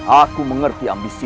aku mengerti ambisi